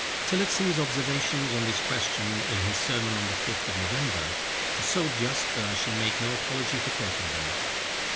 Tillotson's observations on this question, in his sermon on the fifth of November, are so just that I shall make no apology for quoting them.